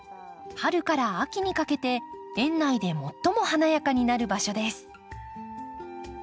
春から秋にかけて園内で最も華やかになる場所です。